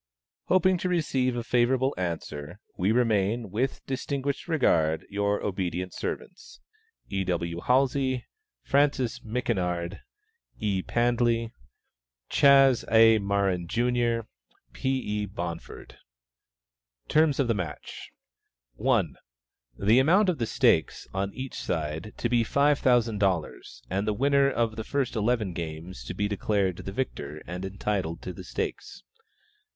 Hoping soon to receive a favorable answer, we remain, with distinguished regard, your obedient servants, E. W. HALSEY, CHAS. A. MAURIAN, JR., FRANCIS MICHINARD, P. E. BONFORD, E. PANDELY. TERMS OF THE MATCH. 1. The amount of the stakes, on each side, to be five thousand dollars, and the winner of the first eleven games to be declared the victor, and entitled to the stakes.